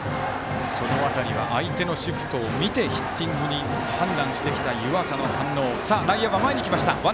その辺りは相手のシフトを見てヒッティングの判断をした湯淺の反応。